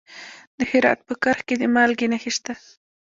د هرات په کرخ کې د مالګې نښې شته.